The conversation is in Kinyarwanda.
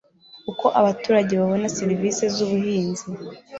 uko abaturage babona serivisi z'ubuhinzi